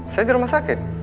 saya di rumah sakit